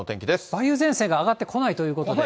梅雨前線が上がってこないということで。